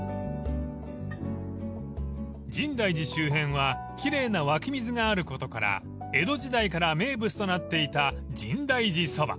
［深大寺周辺は奇麗な湧き水があることから江戸時代から名物となっていた深大寺そば］